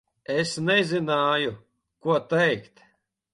Es nezināju, ko teikt.